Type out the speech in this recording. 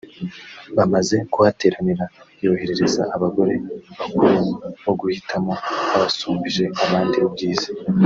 Bamaze kuhateranira yohereza abagore bakuru bo guhitamo abasumbije abandi ubwiza